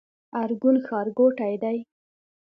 ارګون ښارګوټی دی؟